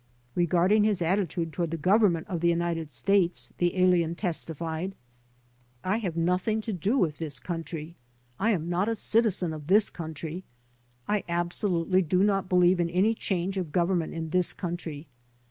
Regarding his attitude toward the Government of the United States the alien testified: "I have nothing to do with this country. I am not a citizen of this country. I absolutely do not believe in any change of government in this country.